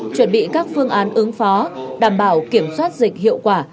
chuẩn bị các phương án ứng phó đảm bảo kiểm soát dịch hiệu quả